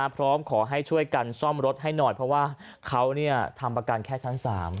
พร้อมขอให้ช่วยกันซ่อมรถให้หน่อยเพราะว่าเขาทำประกันแค่ชั้น๓